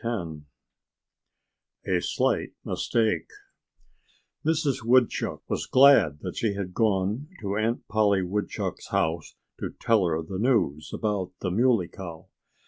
X A SLIGHT MISTAKE Mrs. Woodchuck was glad that she had gone to Aunt Polly Woodchuck's house to tell her the news about the Muley Cow.